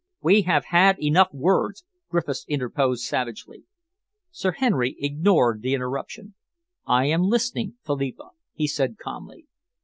"We have had enough words," Griffiths interposed savagely. Sir Henry ignored the interruption. "I am listening, Philippa," he said calmly.